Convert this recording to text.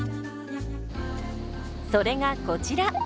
それがこちら。